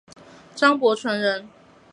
张伯淳人。